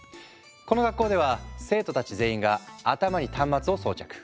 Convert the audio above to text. この学校では生徒たち全員が頭に端末を装着。